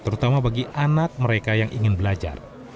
terutama bagi anak mereka yang ingin belajar